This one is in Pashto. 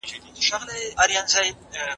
د غلامۍ قربانیان مرستي او ملاتړ ته اړتیا لري.